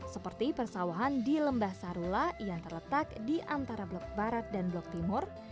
seperti persawahan di lembah sarula yang terletak di antara blok barat dan blok timur